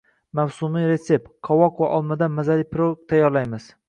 Mavsumiy retsept: qovoq va olmadan mazali pirog tayyorlaymiz